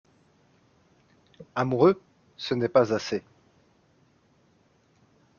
Amoureux !… ce n’est pas assez !…